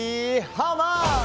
ハウマッチ！